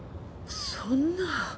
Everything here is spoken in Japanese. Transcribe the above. そんな。